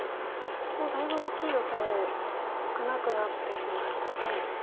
もうだいぶ大きいヨセも少なくなってきましたね。